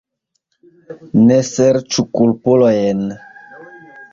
Ne serĉu kulpulojn.